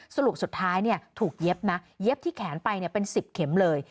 สรุปสุดท้ายเนี่ยถูกเย็บนะเย็บที่แขนไปเนี่ยเป็นสิบเข็มเลย